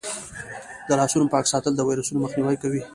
د لاسونو پاک ساتل د ویروسونو مخنیوی کوي.